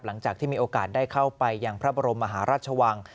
หลังจากที่มีโอกาสได้เข้าไปยังพระบรมมหาราชวัง